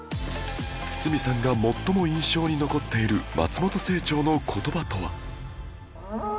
堤さんが最も印象に残っている松本清張の言葉とは？